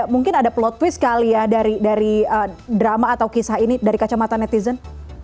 mungkin ada plot twist kali ya dari drama atau kisah ini dari kacamata netizen